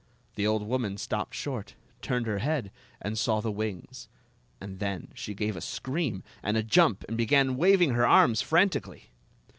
The old woman stopped short, turned her head, and saw the wings; and then she gave a scream and a jump and began waving her arms frantically.